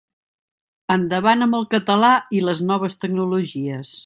Endavant amb el català i les noves tecnologies.